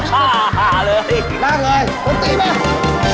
บุ๊บตีมั้ย